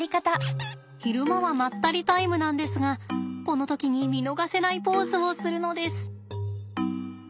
昼間はまったりタイムなんですがこの時に見逃せないポーズをするのです。